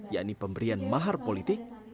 yakni pemberian mahar politik